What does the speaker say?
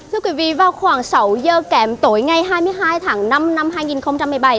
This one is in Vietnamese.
thưa quý vị vào khoảng sáu giờ kém tối ngày hai mươi hai tháng năm năm hai nghìn một mươi bảy